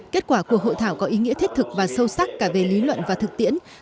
kết quả của hội thảo có ý nghĩa thiết thực và sâu sắc cả về lý luận và thực tiễn